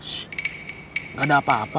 ssst gak ada apa apa